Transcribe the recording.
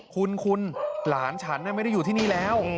คุณคุณหลานฉันไม่ได้อยู่ที่นี่แล้ว